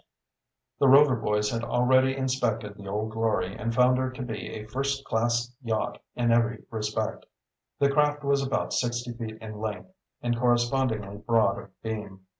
The Rover boys had already inspected the Old Glory and found her to be a first class yacht in every respect. The craft was about sixty feet in length and correspondingly broad of beam.